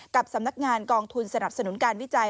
กับสำนักงานกองทุนสนับสนุนการวิจัย